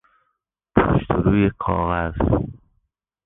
پشت و روی کاغذ